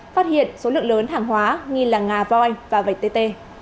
phát hiện số lượng lớn hàng hóa nghi là nga voi và vtt